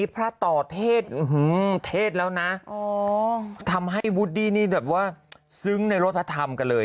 พระต่อเทศเทศแล้วนะทำให้วูดดี้นี่แบบว่าซึ้งในรถพระธรรมกันเลย